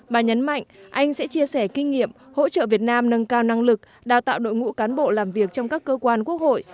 bà nhấn mạnh anh sẽ chia sẻ kinh nghiệm hỗ trợ việt nam nâng cao năng lực đào tạo đội ngũ cán bộ làm việc trong các cơ quan quốc hội